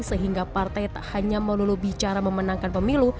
sehingga partai tak hanya melulu bicara memenangkan pemilu